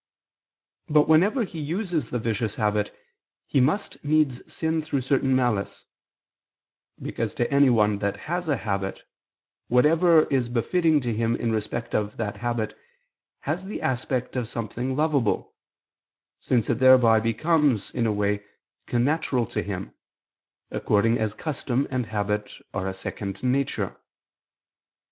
But whenever he uses the vicious habit he must needs sin through certain malice: because to anyone that has a habit, whatever is befitting to him in respect of that habit, has the aspect of something lovable, since it thereby becomes, in a way, connatural to him, according as custom and habit are a second nature.